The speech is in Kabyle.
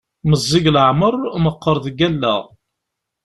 Meẓẓi deg leεmer, meqqer deg allaɣ.